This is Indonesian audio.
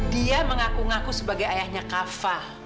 dia mengaku ngaku sebagai ayahnya kafah